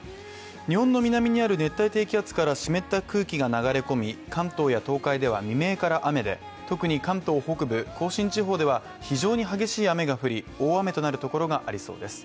日本の南にある熱帯低気圧から湿った空気が流れ込み、関東や東海では未明から雨で特に関東北部甲信地方では非常に激しい雨が降り大雨となる所がありそうです。